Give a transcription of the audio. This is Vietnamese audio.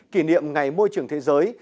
kỷ niệm ngày môi trường thế giới